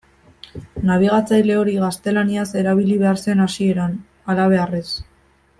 Nabigatzaile hori gaztelaniaz erabili behar zen hasieran, halabeharrez.